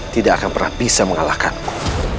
tidak akan pernah bisa mengalahkanmu